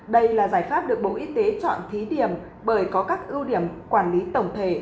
đây là giải pháp được bộ y tế chọn thí điểm bởi có các ưu điểm quản lý tổng thể